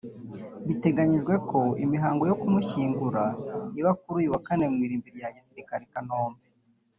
Biteganyijwe ko imihango yo kumushyingura iba kuri uyu wa kane mu irimbi rya gisirikare I Kanombe